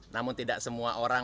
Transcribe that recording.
namun tidak semua orang